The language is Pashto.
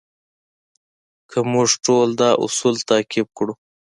که موږ ټول دا اصول تعقیب کړو.